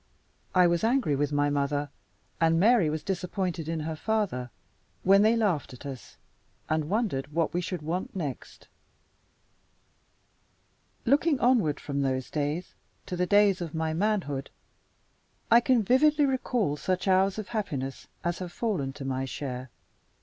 I was angry with my mother, and Mary was disappointed in her father, when they laughed at us, and wondered what we should want next. Looking onward, from those days to the days of my manhood, I can vividly recall such hours of happiness as have fallen to my share.